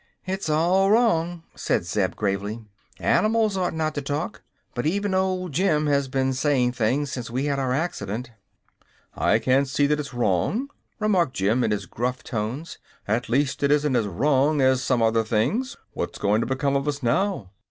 "It's all wrong," said Zeb, gravely. "Animals ought not to talk. But even old Jim has been saying things since we had our accident." "I can't see that it's wrong," remarked Jim, in his gruff tones. "At least, it isn't as wrong as some other things. What's going to become of us now?"